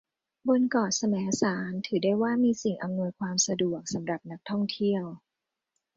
บนเกาะแสมสารถือได้ว่ามีสิ่งอำนวยความสะดวกสำหรับนักท่องเที่ยว